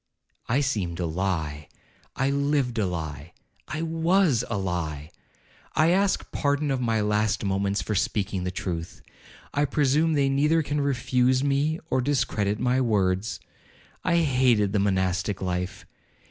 'I seemed a lie—I lived a lie—I was a lie—I ask pardon of my last moments for speaking the truth—I presume they neither can refuse me, or discredit my words—I hated the monastic life.